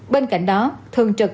bên cạnh đó thường trực